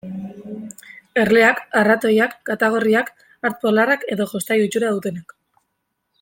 Erleak, arratoiak, katagorriak, hartz polarrak edo jostailu itxura dutenak.